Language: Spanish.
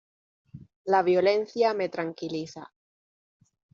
La violencia me tranquiliza.